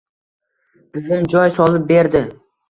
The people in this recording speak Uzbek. Buvim joy solib berdi